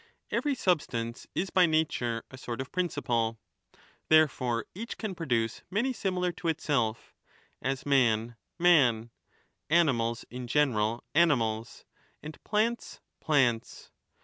Every substance is by nature a sort of principle ; therefore each can produce many similar to itself, as man man, animals ^ in general animals, and plants plants.